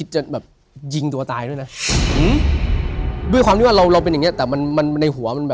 ใช่ครับแก้ปัญหายังไง